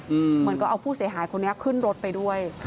เหมือนก็เอาผู้เสียหายคนนี้ขึ้นรถไปด้วย